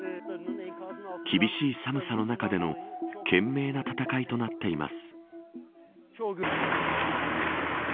厳しい寒さの中での懸命な闘いとなっています。